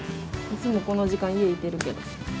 いつもこの時間家いてるけど。